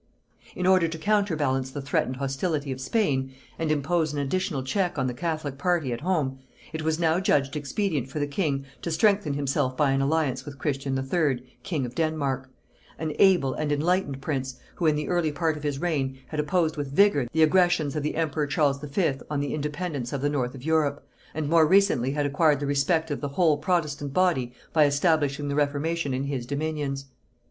In order to counterbalance the threatened hostility of Spain, and impose an additional check on the catholic party at home, it was now judged expedient for the king to strengthen himself by an alliance with Christian III. king of Denmark; an able and enlightened prince, who in the early part of his reign had opposed with vigor the aggressions of the emperor Charles V. on the independence of the north of Europe, and more recently had acquired the respect of the whole protestant body by establishing the reformation in his dominions.